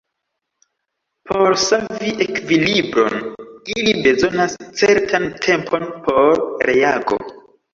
Por savi ekvilibron ili bezonas certan tempon por reago.